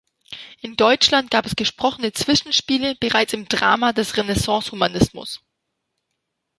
In Deutschland gab es gesprochene Zwischenspiele bereits im Drama des Renaissance-Humanismus.